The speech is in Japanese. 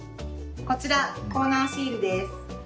こちらコーナーシールです。